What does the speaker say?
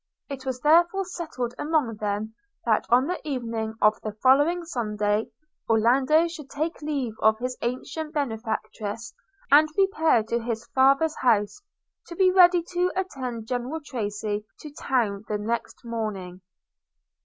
– It was therefore settled among them, that, on the evening of the following Sunday, Orlando should take leave of his ancient benefactress, and repair to his father's house, to be ready to attend General Tracy to town the next morning.